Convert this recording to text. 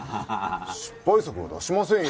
失敗作は出しませんよ！